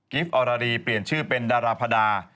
กิฟต์ออรารีเปลี่ยนชื่อเป็นดาราพระดา